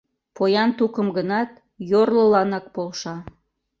Поян тукым гынат, йорлыланак полша.